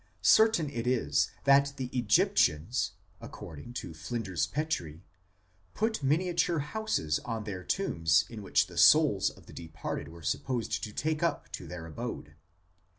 Certain it is that the Egyptians, according to Flinders Petrie, put miniature houses on their tombs in which the souls of the departed were supposed to take up their abode.